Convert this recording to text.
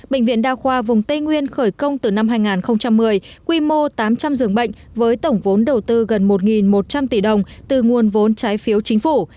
bệnh viện đa khoa vùng tây nguyên khởi công từ năm hai nghìn một mươi quy mô tám trăm linh giường bệnh với tổng vốn đầu tư gần một một trăm linh tỷ đồng từ nguồn vốn trái phiếu chính phủ